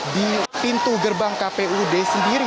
di pintu gerbang kpud sendiri